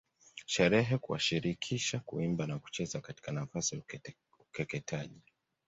Sherehe kuwashirikisha kuimba na kucheza katika nafasi ya ukeketaji